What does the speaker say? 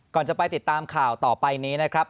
ก่อนจะไปติดตามข่าวต่อไปนี้นะครับ